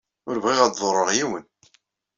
Ur bɣiɣ ad ḍurreɣ yiwen.